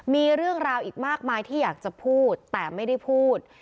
มีเรื่องราวอีกมากมายที่อยากจะพูดแต่ไม่ได้พูด